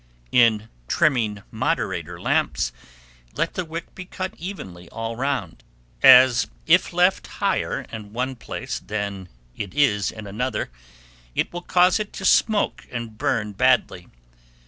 In trimming moderator lamps, let the wick be cut evenly all round; as, if left higher in one place than it is in another, it will cause it to smoke and burn badly.